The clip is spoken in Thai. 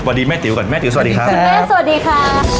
แม่ติ๋วก่อนแม่ติ๋วสวัสดีครับคุณแม่สวัสดีค่ะ